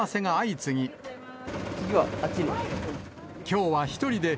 次はあっちです。